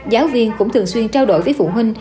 giáo viên cũng thường xuyên trao đổi với phụ huynh